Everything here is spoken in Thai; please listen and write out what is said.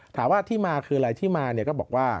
ถามว่าที่มาคืออะไรที่มาเนี่ยก็บอกว่า